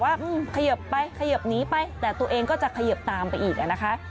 เขยิบไปเขยิบหนีไปแต่ตัวเองก็จะเขยิบตามไปอีกนะคะ